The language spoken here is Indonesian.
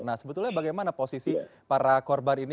nah sebetulnya bagaimana posisi para korban ini